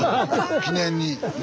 記念にね。